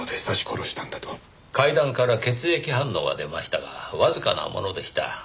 階段から血液反応は出ましたがわずかなものでした。